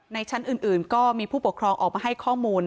ชั้นอื่นก็มีผู้ปกครองออกมาให้ข้อมูล